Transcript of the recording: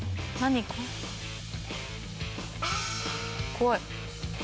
怖い。